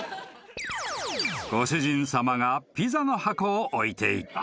［ご主人さまがピザの箱を置いていった］